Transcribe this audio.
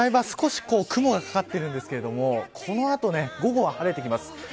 少し雲がかかっているんですがこの後、午後は晴れてきます。